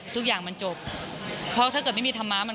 ทุกอย่างมันจบเพราะถ้าเกิดไม่มีธรรมะมัน